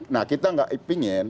nah kita enggak ingin